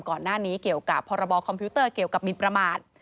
ก่อนหน้านี้เกี่ยวกับพรบคอมพิวเตอร์เกี่ยวกับมินประมาท